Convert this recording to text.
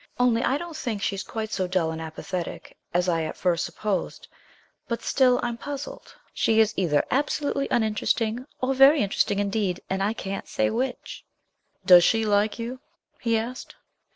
Only I don't think she's quite so dull and apathetic as I at first supposed; but still I'm puzzled. She is either absolutely uninteresting, or very interesting indeed, and I can't say which.' 'Does she like you?' he asked.